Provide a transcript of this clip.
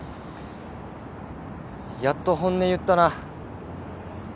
やっと本音言ったな。